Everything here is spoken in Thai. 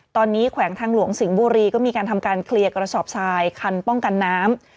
ตอนนี้แขวงทางหลวงสิงห์บุรีก็มีการทำการเคลียร์กระสอบทรายคันป้องกันน้ำ